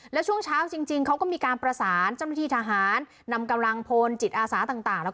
แล้วช่วงเช้าจริงเขาก็มีการประสานเจ้าหน้าที่ทหารนำกำลังพลจิตอาสาต่าง